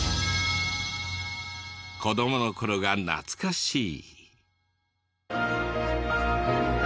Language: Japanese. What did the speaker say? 子供の頃が懐かしい。